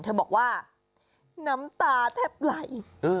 เธอบอกว่าน้ำตาแทบไหล